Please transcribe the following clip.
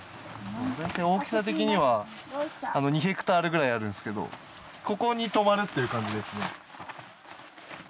大体大きさ的には２ヘクタールぐらいあるんですけどここに泊まるっていう感じですね。